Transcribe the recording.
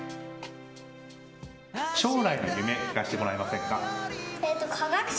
将来の夢聞かせてもらえませんか？